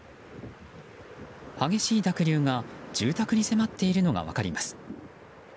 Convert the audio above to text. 激しい濁流が住宅に迫っているのが分かります。